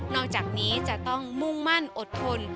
อกจากนี้จะต้องมุ่งมั่นอดทน